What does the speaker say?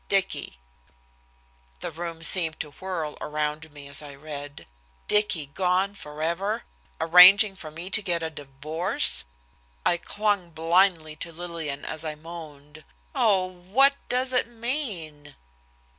DICKY." The room seemed to whirl around me as I read. Dicky gone forever, arranging for me to get a divorce! I clung blindly to Lillian as I moaned: "Oh, what does it mean?"